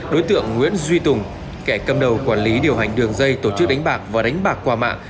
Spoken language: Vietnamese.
đối tượng nguyễn duy tùng kẻ cầm đầu quản lý điều hành đường dây tổ chức đánh bạc và đánh bạc qua mạng